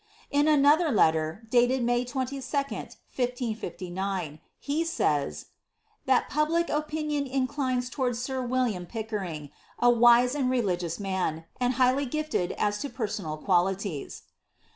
In another letter, dated May 22, 1559, he says, '^that public opinion inclines towards sir William Pickering, a wise and religious man, and highly gifted as to personal qualities."